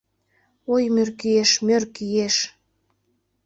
Ой, мӧр кӱэш, мӧр кӱэш